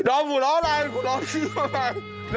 รอผมรออะไรผมรอชีฟ้าไป